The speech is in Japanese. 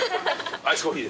アイスコーヒー。